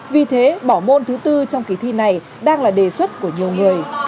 vì thế bỏ môn thứ tư trong kỳ thi này đang là đề xuất của nhiều người